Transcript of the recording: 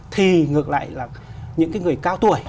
thì ngược lại là những cái người cao tuổi